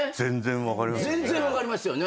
全然分かりますよね。